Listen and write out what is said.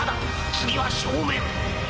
次は正面！